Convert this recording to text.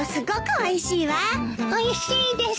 おいしいです。